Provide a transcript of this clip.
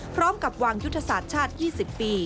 พร้อมกับวางยุทธศาสตร์ชาติ๒๐ปี